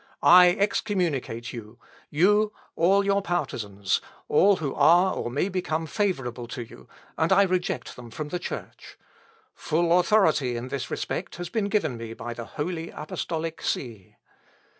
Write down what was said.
I excommunicate you; you, all your partizans, all who are or may become favourable to you, and I reject them from the Church. Full authority in this respect has been given me by the holy apostolic See.